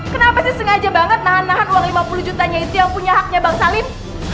kenapa sih sengaja banget nahan nahan uang lima puluh jutanya itu yang punya haknya bang salim